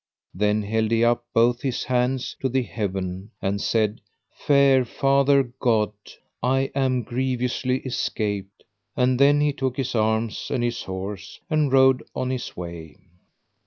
Then held he up both his hands to the heaven, and said: Fair Father God, I am grievously escaped; and then he took his arms and his horse and rode on his way.